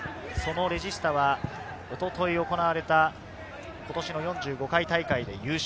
レジスタは一昨日行われた今年の４５回大会で優勝。